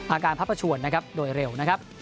อาการพระประชวนโดยเร็ว